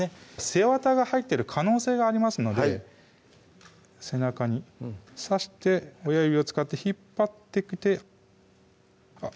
背わたが入ってる可能性がありますので背中に刺して親指を使って引っ張ってきてあっ